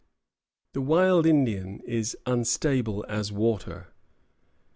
The wild Indian is unstable as water.